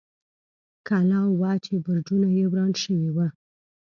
کلا وه، چې برجونه یې وران شوي و.